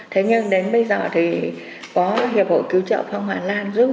thế nhưng đến bây giờ thì có hiệp hội cứu trợ phong hòa lan giúp